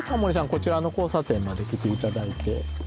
こちらの交差点まで来て頂いて。